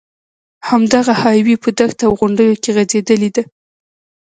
همدغه های وې په دښته او غونډیو کې غځېدلې ده.